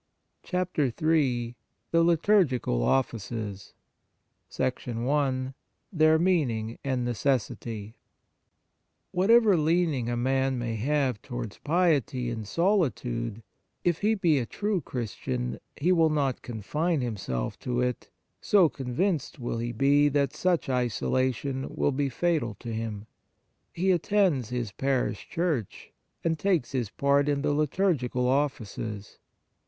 CHAPTER III THE LITURGICAL OFFICES I Their Meaning and Necessity V\ WHATEVER leaning a man VV may have towards piety in solitude, if he be a true Christian, he will not confine himself to it, so con vinced will he be that such isolation will be fatal to him. He attends his parish church, and takes his part in the liturgical offices.